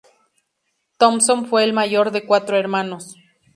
Thompson fue el mayor de cuatro hermanos.